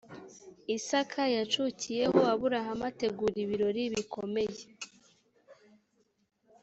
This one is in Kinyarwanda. isaka yacukiyeho aburahamu ategura ibirori bikomeye